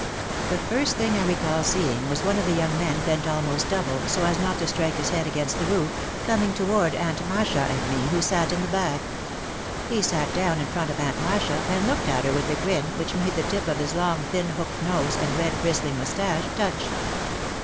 The first thing I recall see ing was one of the young men bent almost double, so as not to strike his head against the roof, coming toward Aunt Masha and me, who sat in the back. He sat down in front of Aunt Masha and looked at her with a grin which made the tip of his long, thin hooked nose and red, bristling moustache touch.